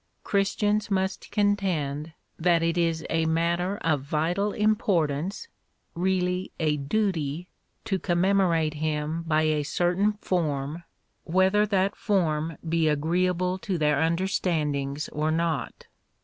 Christians must contend that it is a matter of vital importance — really a duty — to commemorate Him by a certain form, whether that fgrm be 136 EMERSON agreeable to tlieir understandings or not.